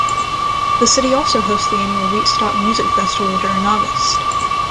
The city also hosts the annual Wheatstock music festival during August.